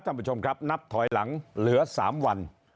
ท่านผู้ชมครับนับถอยหลังเหลือ๓วัน